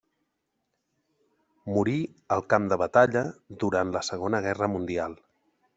Morí al camp de batalla durant la Segona Guerra Mundial.